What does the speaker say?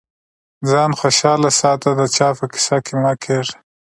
ځان خوشاله ساته د چا په کيسه کي مه کېږه.